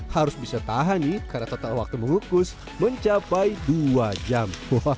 harus bisa tahan nih karena total waktu mengukus mencapai dua jam